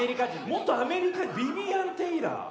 元アメリカビビアン・テイラー。